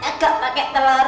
ngekok pake telur